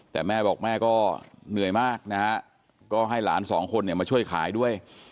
แต่แม่บอกแม่ก็เหนื่อยมากนะฮะก็ให้หลานสองคนเนี่ยมาช่วยขายด้วย